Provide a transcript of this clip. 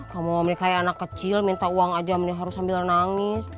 kamu mau menikahi anak kecil minta uang aja mending harus sambil nangis